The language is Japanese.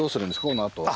このあとは。